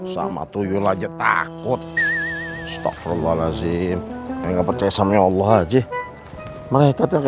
sama tuyul aja takut stokful allah nazim enggak percaya sama allah aja mereka kayak